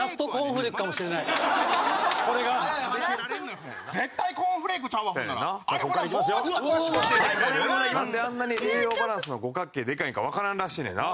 なんであんなに栄養バランスの五角形でかいんかわからんらしいねんな。